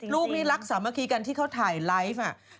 ลูกนี่รักสามัคคีกันที่เขาถ่ายไลฟ์